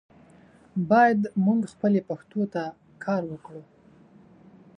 باید مونږ خپلې پښتو ته کار وکړو.